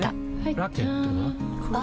ラケットは？